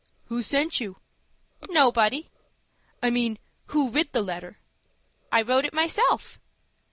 "Who sent you?" "Nobody." "I mean, who writ the letter?" "I wrote it myself."